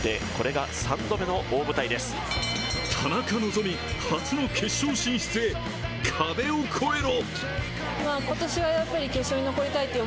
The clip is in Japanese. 田中希実、初の決勝進出へ壁を越えろ。